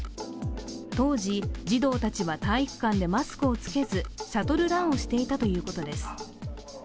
当時、児童たちは体育館でマスクを着けず、シャトルランをしていたということです。